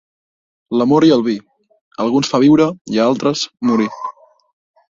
L'amor i el vi, a alguns fa viure i a altres, morir.